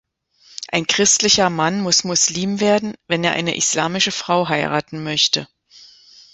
Ein christlicher Mann muss Muslim werden, wenn er eine islamische Frau heiraten möchte.